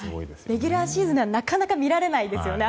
レギュラーシーズンではなかなか見られないですよね